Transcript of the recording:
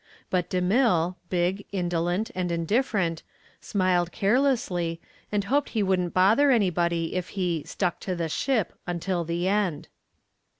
But DeMille, big, indolent, and indifferent, smiled carelessly, and hoped he wouldn't bother anybody if he "stuck to the ship" until the end.